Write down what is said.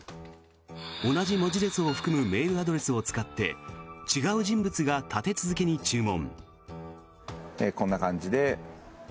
同じ文字列を含むメールアドレスを使って違う人物が立て続けに注文。